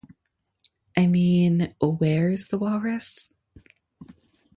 I mean, where's the walrus?